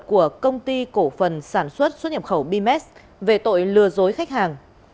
của công ty cổ phần sản xuất xuất nhập khẩu bms về tội lừa dối khách hàng